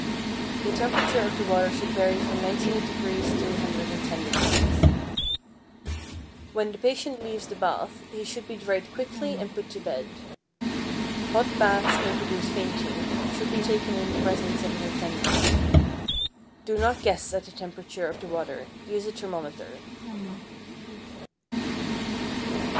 The temperature of the water should vary from 98° to 110°. When the patient leaves the bath, he should be dried quickly and put to bed. Hot baths may produce fainting, and should be taken in the presence of an attendant. Do not guess at the temperature of the water; use a thermometer.